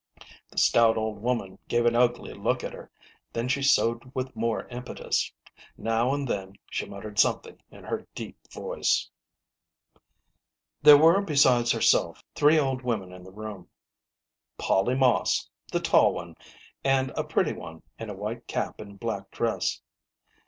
The stout old woman gave an ugly look at her ; then she sewed with more impetus. Now and then she muttered something in her deep voice. There were, besides herself, three old women in the room ŌĆö Polly Moss, the tall one, and a pretty one in a white cap and black dress.